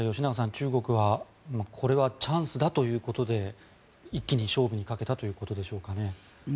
中国はこれはチャンスだということで一気に勝負にかけたということでしょうかね。